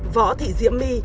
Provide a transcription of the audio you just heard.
võ thị diễm my